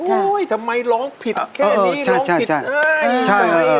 โอ๊ยทำไมร้องผิดแค่นี้ร้องผิด